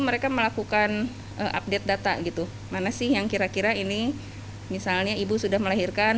mereka melakukan update data gitu mana sih yang kira kira ini misalnya ibu sudah melahirkan